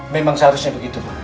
memang seharusnya begitu pak